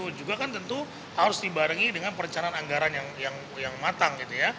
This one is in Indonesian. itu juga kan tentu harus dibarengi dengan perencanaan anggaran yang matang gitu ya